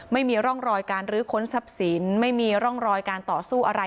ไม่มีร่องรอยการรื้อค้นทรัพย์สินไม่มีร่องรอยการต่อสู้อะไร